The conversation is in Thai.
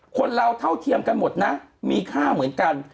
คนเราเท่าเทียมกันหมดนะมีค่าเหมือนกัน